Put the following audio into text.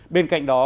bên cạnh đó